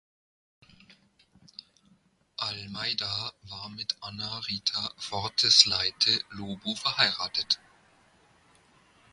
Almeida war mit Ana Rita Fortes Leite Lobo verheiratet.